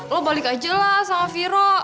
lo balik aja lah sama viro